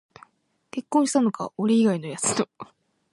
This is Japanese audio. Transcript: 結婚したのか、俺以外のやつと